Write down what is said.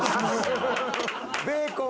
ベーコン！